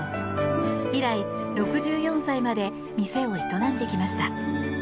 以来、６４歳まで店を営んできました。